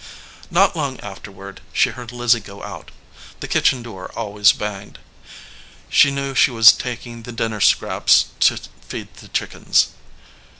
Not long afterward she heard Lizzie go out. The kitchen door always banged. She knew she was taking the dinner scraps to feed the chickens.